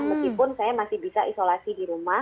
meskipun saya masih bisa isolasi di rumah